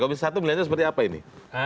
kalau bisa satu melihatnya seperti apa ini